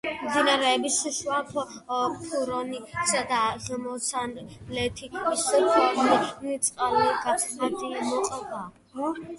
მდინარეების შუა ფრონისა და აღმოსავლეთის ფრონის წყალგამყოფზე.